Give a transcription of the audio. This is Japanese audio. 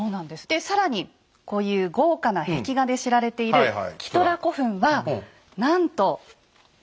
更にこういう豪華な壁画で知られているキトラ古墳はなんと円形。